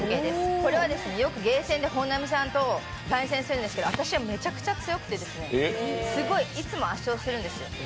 これはよくゲーセンで本並さんと対戦するんですけど私はめちゃくちゃ強くて、すごい、いつも圧勝しているんですよ。